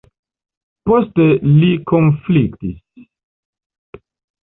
Poste ni konfliktis.